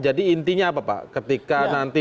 jadi intinya apa pak ketika nanti